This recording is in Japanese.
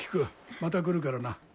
また来るからな。